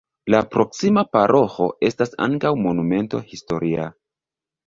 La proksima paroĥo estas ankaŭ monumento historia.